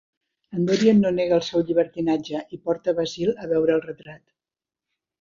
En Dorian no nega el seu llibertinatge, i porta Basil a veure el retrat.